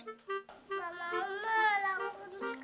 mama aku udah sehat